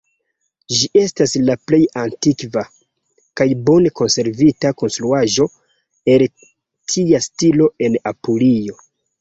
Ĝi estas la plej antikva kaj bone konservita konstruaĵo el tia stilo en Apulio.